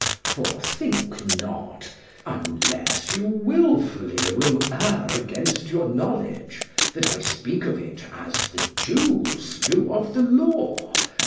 For think not, unless you wilfully will err against your knowledge, that I speak of it as the Jews do of the Law.